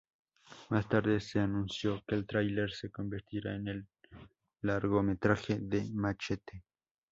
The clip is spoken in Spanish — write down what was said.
Más tarde se anunció que el tráiler se convertirá en el largometraje de "Machete".